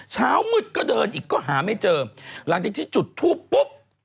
เช้ามืดก็เดินอีกก็หาไม่เจอหลังจากที่จุดทูปปุ๊บ